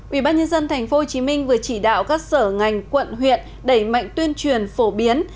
ubnd tp hcm vừa chỉ đạo các sở ngành quận huyện đẩy mạnh tuyên truyền phổ biến